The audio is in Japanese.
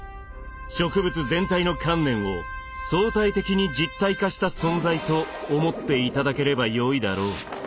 植物全体の観念を総体的に実体化した存在と思っていただければよいだろう。